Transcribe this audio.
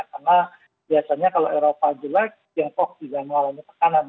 karena biasanya kalau eropa jelek tiongkok tidak mengalami tekanan